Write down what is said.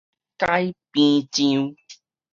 骱邊癢